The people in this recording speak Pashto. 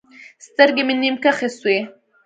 سترګې مې نيم کښې سوې.